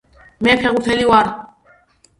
მე ფეხბურთელი ვარ